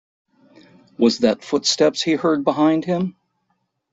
Was that footsteps he heard behind him?